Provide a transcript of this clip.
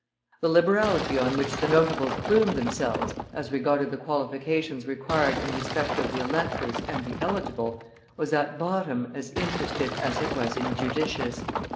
The liberality on which the notables plumed themselves as regarded the qualifications required in respect of the electors and the eligible was at bottom as interested as it was injudicious.